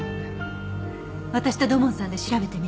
私と土門さんで調べてみる。